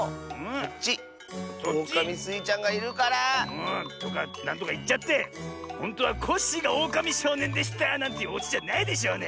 こっちオオカミスイちゃんがいるから。とかなんとかいっちゃってほんとはコッシーがオオカミしょうねんでしたなんていうオチじゃないでしょうね。